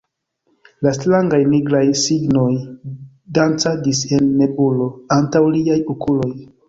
la strangaj nigraj signoj dancadis en nebulo antaŭ liaj okuloj.